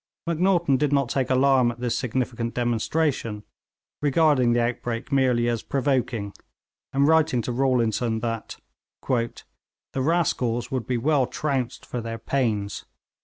Macnaghten did not take alarm at this significant demonstration, regarding the outbreak merely as 'provoking,' and writing to Rawlinson that 'the rascals would be well trounced for their pains.'